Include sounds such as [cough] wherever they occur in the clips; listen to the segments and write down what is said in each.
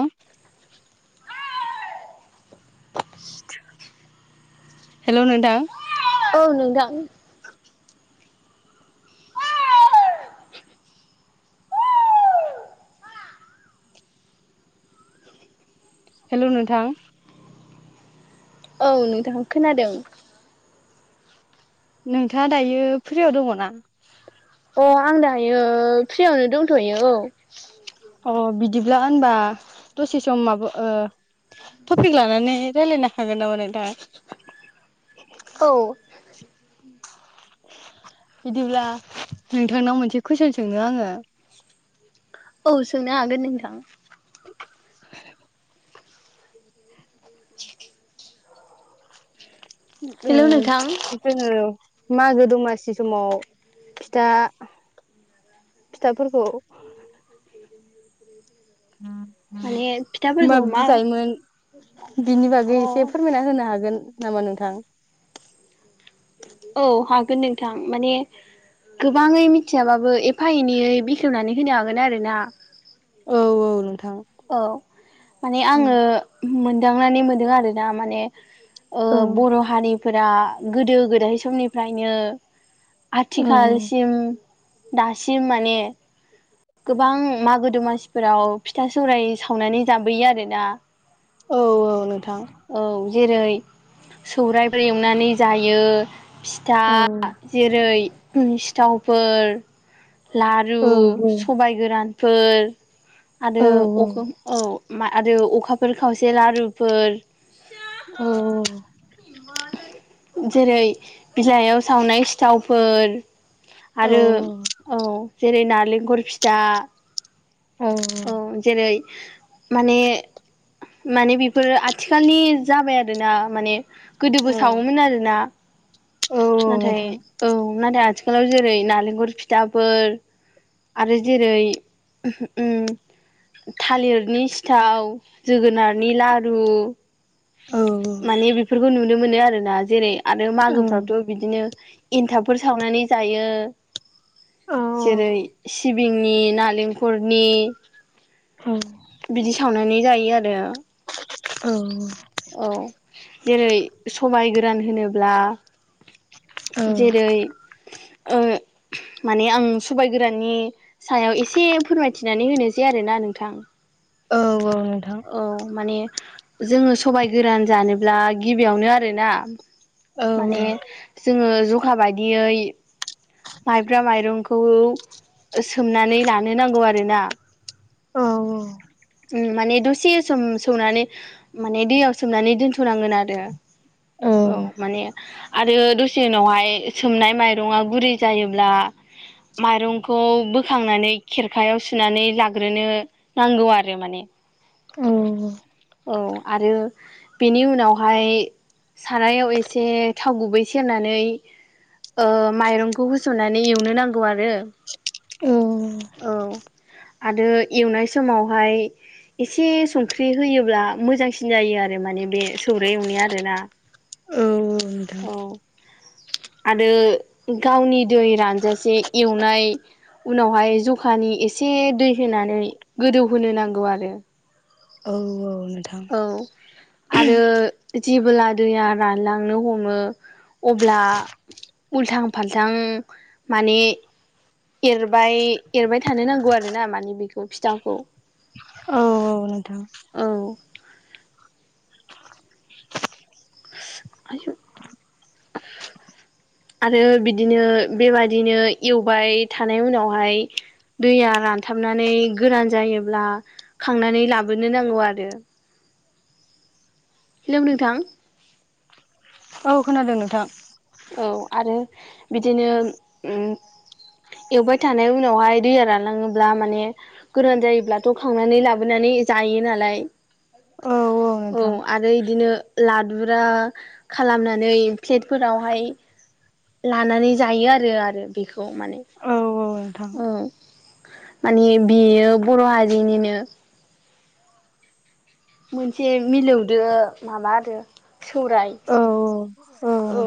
औ' [unintelligible] सिधा हेल' नोंथां। औ नोंथां। हेल' नोंथां। औ नोंथां खोनादों। नोंथाङा दायो फ्रियाव दङना? अ आं दायो फ्रियावनो दंथ'यो औ। अ बिदिब्ला होनबा दसे सम माबा ओ। टपिक लानानै रायलायनो हागोन नोंथाङा? औ। बिदिब्ला नोंथांनाव मोनसे कुइसन सोंनो आंङो। औ सोंनो हागोन नोंथां। हेल' ओ हेलौ नोंथां जोङो मागो दमासि समाव फिथा फिथाफोरखौ माने मा फिथाफोरखौ बिदि जायोमोन? बिनि अ बागै एसे फोरमायना होनो हागोन नामा नोंथां? औ हागोन नोंथां माने गोबाङै मिथियाबाबो एफा एनयै बेखेवनानै होनो हागोन आरोना। औ औ। नोंथां औ माने औ आंङो मोनदांनानै मोनदों आरोना माने ओ औ बर' हारिफोरा गोदो गोदाय समनिफ्रायनो आथिखालसिम दासिम माने गोबां मागो दमासिफोराव फिथा सि जौराय सावनानै जाबोयो आरोना। औ औ। नोंथां औ जेरै सौरायफोर एवनानै जायो। फिथा औ जेरै सिथावफोर लारु औ सबाय गोरानफोर आरो औ औ मा आरो अखाफोर खावसे लारुफोर औ। जेरै बिलाइयाव सावनाय सिथावफोर औ आरो औ जेरै नारेंखर फिथा औ औ। माने माने बेफोरो आथिखालनि जाबाय आरोना माने। गोदोबो सावोमोन आरोना औ नाथाय नोंथां औ नाथाय आथि खालाव जेरै नारेंखल फिथाफोर आरो जेरै उम्म थालिरनि सिथाव जोगोनारनि लारु औ माने बिफ नुनो मोनो आरोना जेरै आरो मागोफ्रावथ' बिदिनो एनथाबफोर सावनानै जायो। औ जेरै सिबिंनि नालेंखरनि औ नोंथां बिदि सावनानै जायो आरो। औ। गान होनोब्ला जेरै ओ माने आं सबाय गोराननि सायाव एसे फोरमायथिनानै होनोसै आरोना नोंथां। औ औ। औ माने जोङो सबायाइ गोरान जानोब्ला गिबियावनो आरोना औ माने जोङो जखा बायदियै माइब्रा माइरंखौ सोमनानै लानो नांगौ आरोना औ औ माने दसे सम सोमनानै माने दैयाव सोमनानै दोनथ'नांगोन आरो औ माने आरो दसे उनावहाय सोमनाय माइरङा गुरै जायोब्ला माइरंखौ बोखांनानै खेरखायाव सुनानै लाग्रोनो नांगौ आरो माने औ औ आरो बेनि उनावहाय सारायाव एसे थाव गुबै सेरनानै ओ माइरंखौ होसननानै एवनो नांगौ आरो औ आरो एवनाय समाव ओमाय एसे संख्रि होयोब्ला मोजांसिन जायो आरो माने बे सौर एवनाया आरोना औ औ आरो गावनि दै रानजासे एवनाय उनावहाय जखानि एसे दै होनानै गोदौहोनो नांगौ आरो औ औ औ आरो जेबोला दैया रानलांनो हमो अब्ला उल्थां फाल्थां माने एरबाय एरबाय थानो नांगौ आरो ना माने बेखौ फिथाखौ औ नोंथां औ [unintelligible] आरो बिदिनो बेबादिनो एवबाय थानाय उनावहाय दैया रानथाबनानै गोरान जायोब्ला खांनानै लाबोनो नांगौ आरो हेलौ नोंथां औ खोनादों नोंथां औ आरो बिदिनो एवबाय थानाय उनावहाय दैया रानलाङोब्ला माने गोरान जायोब्लाथ' खांनानै लाबोनानै जायो नालाय औ औ नोंथां आरो इदिनो लादुरा खालामनानै फेट फोर बेहाय लानानै जायो आरो आरो [unintelligible] माने औ औ नोंथां औ माने बेयो बर' हारिनिनो मोनसे मिलौदो माबा आरो सौराय औ औ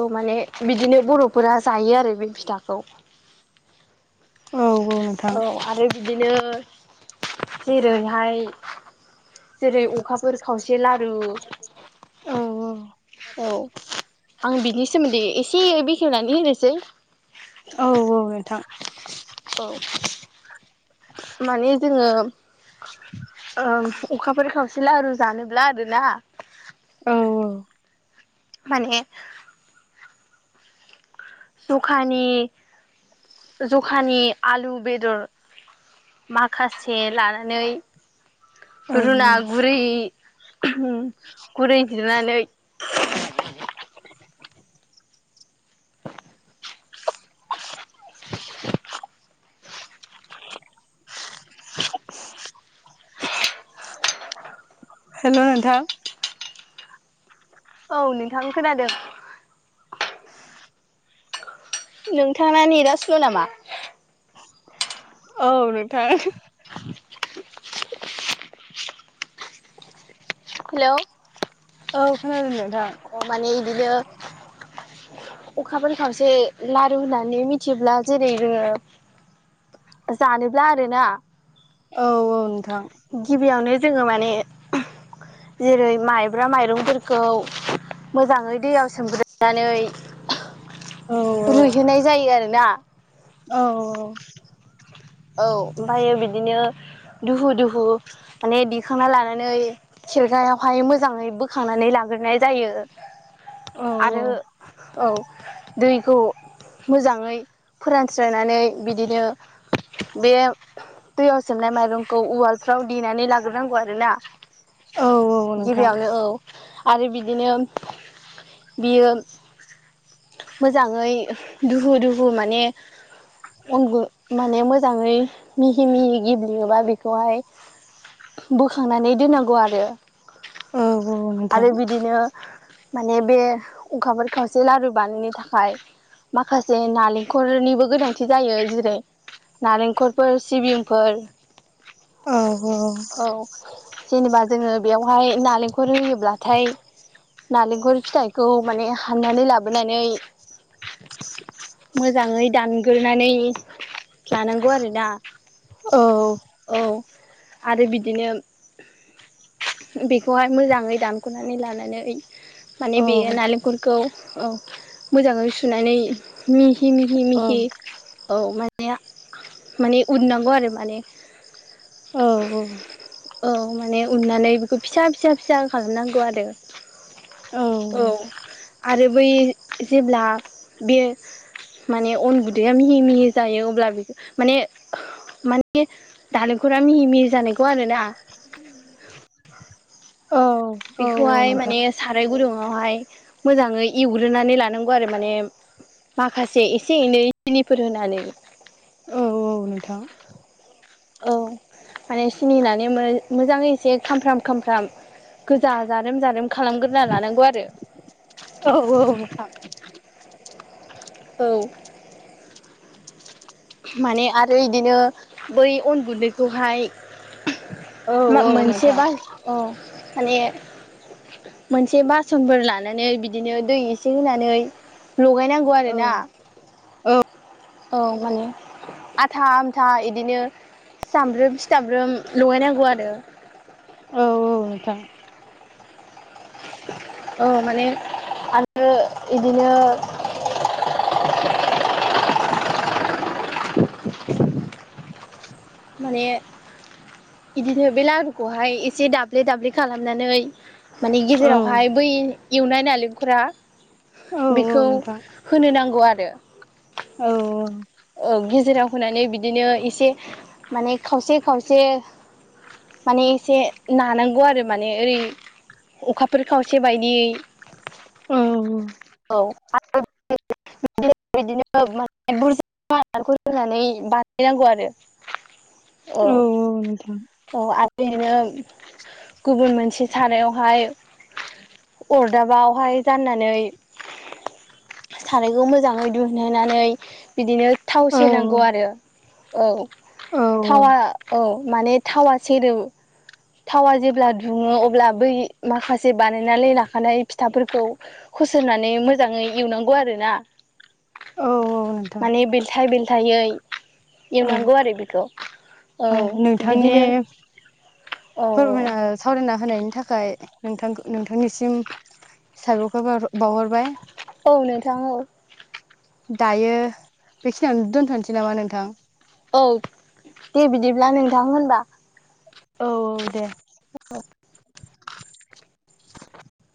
औ माने बिदिनो बर'फोरा जायो आरो बे फिथाखौ औ औ नोंथां बिदिनो जेरैहाय जेरै अखाफोर खावसे लारु औ औ आं बिनि सोमोन्दै एसे बेखेवनानै होनोसै औ औ नोंथां औ माने जोङो फि लारु जानोब्ला आरोना औ औ माने जखानि जखानि आलु बेदर माखासे लानानै रुना औ गुरै उम गुरै जिरनानै [inaudible] [inaudible] हेलौ नोंथां औ नोंथां खोनादो। नोंथाङा औ नोंथां [inaudible] हेलौ औ खोनादों अ माने इदिनो अखाफोर खावसे लारु होननानै मिथियोब्ला जेरै जोङो जानोब्ला आरो ना औ औ नो गिबियावनो जोङो माने जेरै माइब्रा माइरंफोरखौ मोजाङै दैयाव सोमग्रोनानै औ नोंथां औ रुइहोनाय जायो आरोना। औ औ औ ओमफायो बिदिनो दुहु दुहु माने दिखांना लानानै खेरखायावहाय मोजाङै बोखांनानै लाग्रोनाय जायो। आरो औ दैखौ मोजाङै फोरान स्रोनानै बिदिनो बेयाव दैयाव सोमनाय माइरंखौ उवालफ्राव देनानै लाग्रोनांगौ आरो ना। औ औ नोंथां गिबियावनो औ आरो बिदिनो बियो मोजाङै दुहु दुहु माने अन गु माने मो जाङै मिहि मिहि गेब्लेयोबा बिखौहाय बोखांनानै दोन्नांगौ आरो। औ औ नोंथां आरो बिदिनो माने बे अखाफोर खावसे लारु बानायनो थाखाय माखासे नालेंखरनिबो गोनांथि जायो। जेरै नालेंखरफोर सिबिंफोर औ औ जेनेबा जोङो बेयावहाय नालेंखर होयोब्लाथाय नालेंखर फिथाइखौ माने हाननानै लाबोनानै मोजाङै दानग्रो नानै लानांगौ आरोना। औ औ आरो बिदिनो बेखौहाय मोजाङै दानख'नानै लानानै माने औ बेयो नालेंखरखौ औ मोजाङै सुनानै मिहि मिहि मिहि औ माने माने उननांगौ आरो माने। औ औ औ माने उननानै बिखौ फिसा फिसा फिसा खालामनांगौ आरो। औ आरो बै जेब्ला बे माने अन गुन्दैया मिहि मिहि जायो अब्ला माने माने दालेंखरा मिहि मिहि जानायखौ आरो ना। औ औ बेखौहाय माने नोंथां साराय गुदुङावहाय मोजाङै एवग्रोनानै लानां गौ आरो माने माखासे एसे एनै सिनिफोर होनानै औ औ नोंथां औ माने सिनि होनानै मोजाङै एसे खामफ्राम खामफ्राम गोजा जारोम जारोम खालामग्रोना लानांगौ आरो औ माने आरो इदिनो बै अन गुन्दैखौहाय मा मोनसेबा औ बे मोनसे बासनफोर लानानै बिदिनो दै एसे होनानै लगायनांगौ आरोना औ माने आथा आमथा बिदिनो सिथामब्रोम सिथाबब्रोम लगायनांगौ आरो औ औ नोंथां औ माने आरो बिदिनो [unintelligible] [unintelligible] माने बिदिनो बे लारुखौहाय एसे दाब्ले-दाब्ले खालामनानै मानिे गेजेरावहाय बै एवनाय नालेंखरा बेखौ होनो नांगौ आरो औ औ औ गेजेराव होनानै बिदिनो एसे माने खावसे खावसे माने एसे नानांगौ आरो माने ओरै अखाफोर खावसे बायदियै औ आरो बिदिनो माने बुरजा आदारखौ होनानै बानायनांगौ आरो औ औ आ रो बिदिनो गुबुन मोनसे सारायावहाय अरदाबावहाय जाननानै सारायखौ मोजाङै दिुनहोनानै बिदिनो थाव स नांगौ आरो औ थावआ औ माने थावा सेरोब थावा जेब्ला दुङो अब्ला बै माखासे बानायनानै लाखानाय फिथाफोरखौ होसननानै मोजाङै एवनांगौ आरो ना औ नोंथां माने बेलथाय बेल्थायै औ एवनांगौ आरो बेखौ औ बिदिनो औ फोरमायना औ मायना होनायनि थाखाय नोंथांख नोंथांनिसिम साबायखर बाव बावहर औ नोंथां औ दायो बेखिनियाव दोनथ'नोसै नामा नोंथां औ दे बिदिब्ला नोंथां होनबा औ औ दे औ